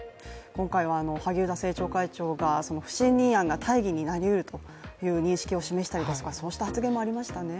今回は萩生田政調会長が不信任案が大義になるという認識を示したりとかそうした発言がありましたね。